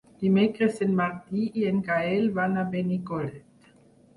Dimecres en Martí i en Gaël van a Benicolet.